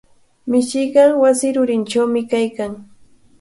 Mishiqa wasi rurinchawmi kaykan.